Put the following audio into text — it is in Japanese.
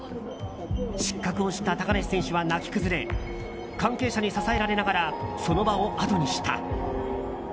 失格を知った高梨選手は泣き崩れ関係者に支えられながらその場をあとにした。